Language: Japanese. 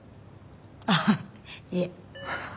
あっいえ。